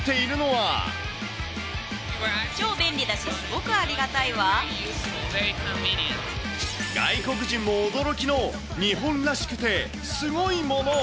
超便利だし、すごくありがた外国人も驚きの、日本らしくてすごいもの。